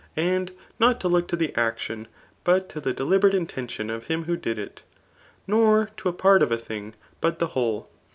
And not to look to the action, but to the deliberate in tention of him who did it. Nor to a part of a thing but the whole.